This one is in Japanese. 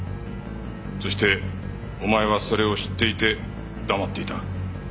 そしてお前はそれを知っていて黙っていた。